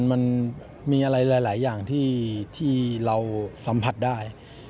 มันมีอะไรหลายอย่างที่เราสัมผัสได้